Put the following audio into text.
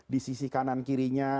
di sisi kanan kirinya